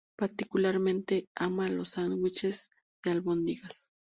Particularmente ama los sándwiches de albóndigas.